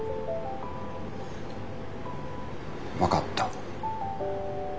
分かった。